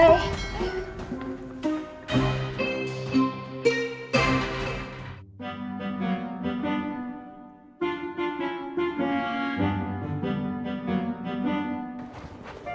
sampai jumpa lagi